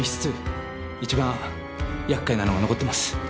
一番厄介なのが残ってます。